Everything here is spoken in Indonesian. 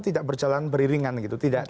tidak berjalan beriringan gitu